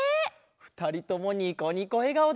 ふたりともニコニコえがおだよ！